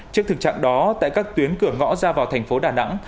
trước thực trạng đó tại các tuyến cửa ngõ ra vào tp hcm